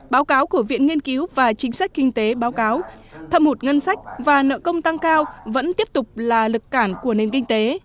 báo cáo của viện nghiên cứu và chính sách kinh tế báo cáo thẩm hụt ngân sách và nợ công tăng cao vẫn tiếp tục là lực cản của nền kinh tế